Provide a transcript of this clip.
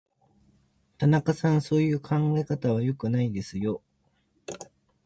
田中さん、そういう考え方は良くないですよ。